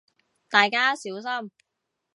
大家小心